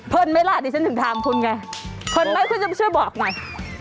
ไหมล่ะดิฉันถึงถามคุณไงเพลินไหมคุณจะมาช่วยบอกหน่อย